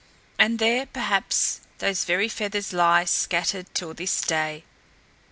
And there, perhaps, those very feathers lie scattered till this day.